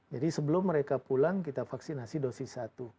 jadi sebelum mereka pulang kita vaksinasi dosis satu